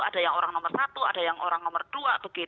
ada yang orang nomor satu ada yang orang nomor dua